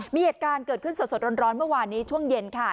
มีเหตุการณ์เกิดขึ้นสดร้อนเมื่อวานนี้ช่วงเย็นค่ะ